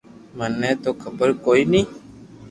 مني تو خبر ڪوئي ني